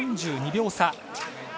４２秒差。